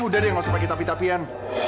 udah deh gak usah pake tapian tapian